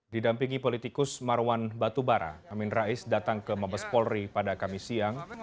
didampingi politikus marwan batubara amin rais datang ke mabes polri pada kamis siang